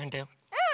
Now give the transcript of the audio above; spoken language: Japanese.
うん！